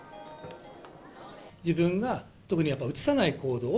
自分が特にやっぱうつさない行動を。